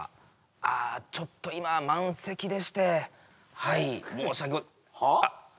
あちょっと今満席でしてはい申し訳はあ？はあ？